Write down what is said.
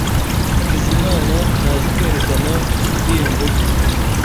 Hakizimana ntazi kwerekana ibyiyumvo bye.